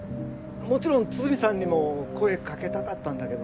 もちろん筒見さんにも声掛けたかったんだけど。